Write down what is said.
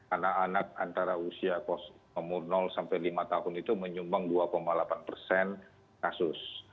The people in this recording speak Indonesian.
anak anak antara usia umur sampai lima tahun itu menyumbang dua delapan persen kasus